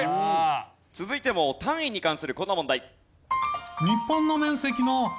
続いても単位に関するこんな問題。